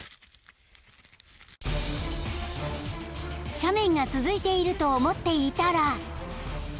［斜面が続いていると思っていたら］